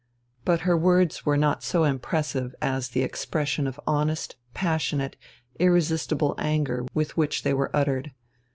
But her words were not so impressive as the expression of honest, passionate, irresistible anger with which they were uttered.